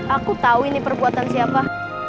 aku tahu ini perbuatan siapa